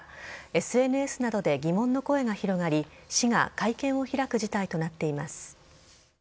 ＳＮＳなどで疑問の声が広がり市が会見を開く事態となっています。